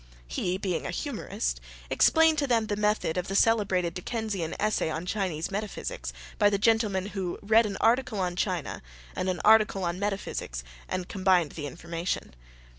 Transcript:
He, being a humorist, explained to them the method of the celebrated Dickensian essay on Chinese Metaphysics by the gentleman who read an article on China and an article on Metaphysics and combined the information.